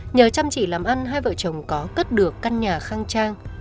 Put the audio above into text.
nhờ chăm chỉ làm ăn hai vợ chồng có cất được căn nhà khang trang